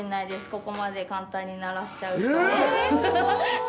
ここまで簡単に鳴らしちゃう人。